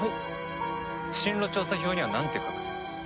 進路調査票にはなんて書く？